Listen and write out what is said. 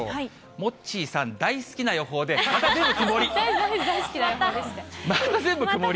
モッチーさん、大好きな予報で、全部曇り。